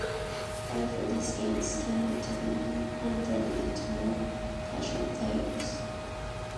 However, these games tended to be unfriendly to more casual players.